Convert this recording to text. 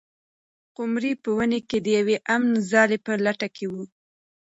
قمري په ونې کې د یوې امنې ځالۍ په لټه کې وه.